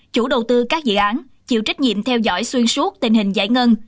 chủ đầu tư các dự án chịu trách nhiệm theo dõi xuyên suốt tình hình giải ngân